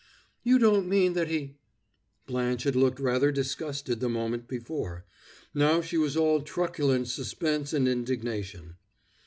"You don't mean that he " Blanche had looked rather disgusted the moment before; now she was all truculent suspense and indignation.